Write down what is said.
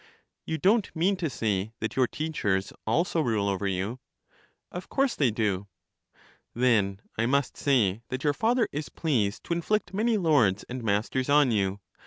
You don't mean to say that your teachers also rule over you? LYSIS 57 Of course they do. Then I must say that your father is pleased to in flict many lords and masters on you.